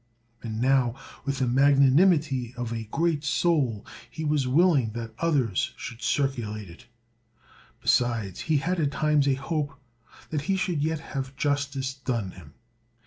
And now, with the magnanimity of a great soul, he was willing that others should circulate it. Besides, he had at times a hope that he should yet have justice done him.